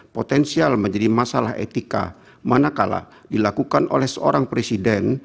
potensial menjadi masalah etika manakala dilakukan oleh seorang presiden